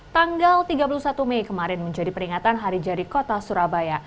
tanggal tiga puluh satu mei kemarin menjadi peringatan hari jadi kota surabaya